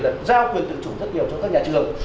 là giao quyền tự chủ rất nhiều cho các nhà trường